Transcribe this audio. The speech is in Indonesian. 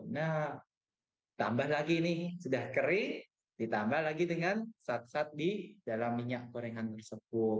nah tambah lagi nih sudah kering ditambah lagi dengan satsat di dalam minyak gorengan tersebut